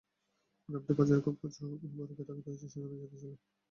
গ্রামটি বাজারের খুব কাছে হওয়ায় কোন বাড়িতে ডাকাতি হয়েছে সেখানে যেতে চাইলাম।